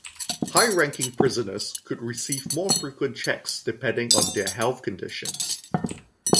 High-ranking prisoners could receive more frequent checks depending on their health conditions.